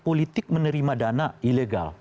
politik menerima dana ilegal